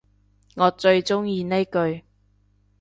我最鍾意呢句